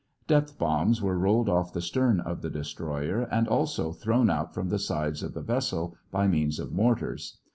Depth bombs were rolled off the stern of the destroyer and also thrown out from the sides of the vessel by means of mortars.